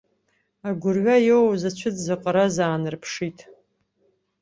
Агәрҩа иоуз ицәыӡ заҟараз аанарԥшит.